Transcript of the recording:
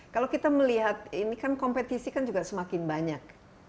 kalau kita melihat ini kan kompetisi kan juga semakin banyak